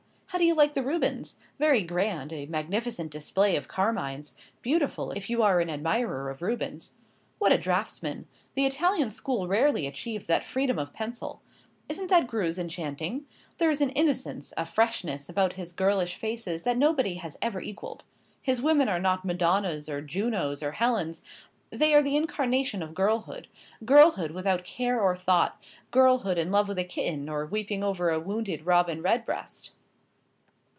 How do you like the Rubens? Very grand a magnificent display of carmines beautiful, if you are an admirer of Rubens. What a draughtsman! The Italian school rarely achieved that freedom of pencil. Isn't that Greuze enchanting? There is an innocence, a freshness, about his girlish faces that nobody has ever equalled. His women are not Madonnas, or Junos, or Helens they are the incarnation of girlhood; girlhood without care or thought; girlhood in love with a kitten, or weeping over a wounded robin redbreast."